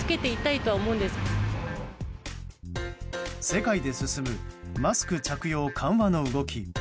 世界で進むマスク着用緩和の動き。